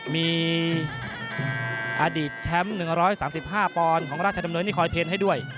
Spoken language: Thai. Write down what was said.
มีอดีตแชมป์๑๓๕ปอนด์ของราชดำเนินที่คอยเทนให้ด้วย